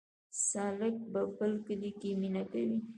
سالک په بل کلي کې مینه کوي